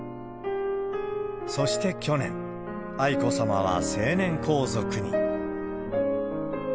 そして、去年、愛子さまは成年皇族に。